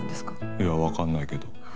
いやわかんないけど。